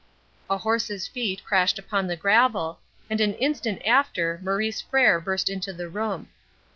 A horse's feet crashed upon the gravel, and an instant after Maurice Frere burst into the room.